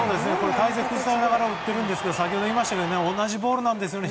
体勢崩されながら打っているんですが、先ほどと同じボールなんですね。